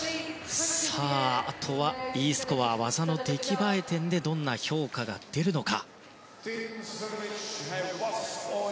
あとはＥスコア技の出来栄え点でどんな評価が出るのか。